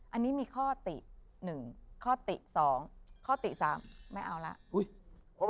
อันนี้มีข้อติ๑ข้อติ๒ข้อติ๓ไม่เอาแล้ว